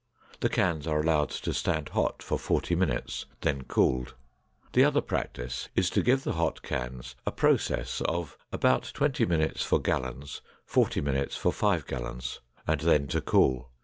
The cans are allowed to stand hot for forty minutes, then cooled. The other practice is to give the hot cans a process of about twenty minutes for gallons, forty minutes for five gallons, and then to cool.